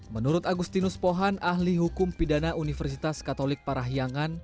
menurut agustinus pohan ahli hukum pidana universitas katolik parahyangan